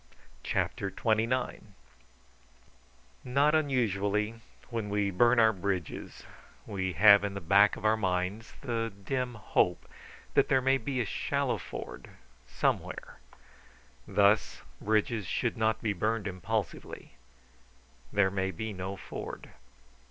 CHAPTER XXIX Not unusually, when we burn our bridges, we have in the back of our minds the dim hope that there may be a shallow ford somewhere. Thus, bridges should not be burned impulsively; there may be no ford.